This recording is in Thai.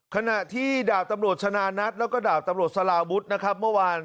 ขณะที่ดาบตำรวจชนะนัทแล้วก็ดาบตำรวจสลาวุฒินะครับเมื่อวาน